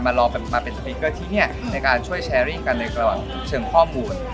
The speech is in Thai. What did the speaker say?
มาเป็นสติ๊กเกอร์ที่นี่ในการช่วยแชร์รี่กันในระหว่างเชิงข้อมูล